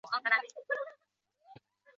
由铁道部与贵州省各出资一半。